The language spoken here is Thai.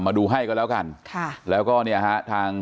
มาดูให้ก็แล้วกันค่ะแล้วก็เนี่ยฮะทาง